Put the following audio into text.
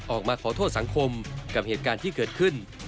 ออกมาขอโทษสังคมกับเหตุการณ์ที่เกิดขึ้น